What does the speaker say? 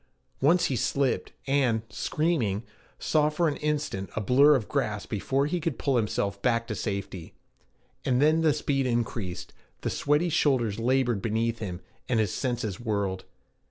Once he slipped, and, screaming, saw for an instant a blur of grass before he could pull himself back to safety. And then the speed increased, the sweaty shoulders labored beneath him, and his senses whirled.